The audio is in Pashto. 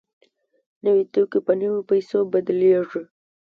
نوي توکي په نویو پیسو بدلېږي